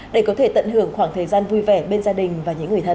để có thể tận hưởng khoảng thời gian vui vẻ bên gia đình và những người thân